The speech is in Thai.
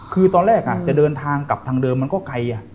คือตอนแรกจะเดินทางกลับทางเดิมมันก็ไกล